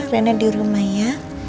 rina di rumah ya